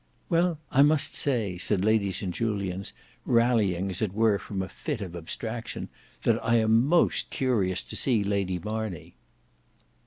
"Well I must say," said Lady St Julians rallying as it were from a fit of abstraction, "that I am most curious to see Lady Marney."